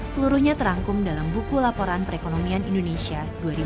seluruhnya terangkum dalam buku laporan perekonomian indonesia dua ribu dua puluh